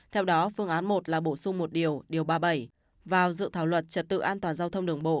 theo đó phương án một là bổ sung một điều ba mươi bảy vào dự thảo luật trật tự an toàn giao thông đường bộ